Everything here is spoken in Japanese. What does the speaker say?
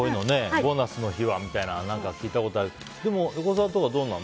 ボーナスの日はみたいなの聞いたことあるけど横澤とかどうなの？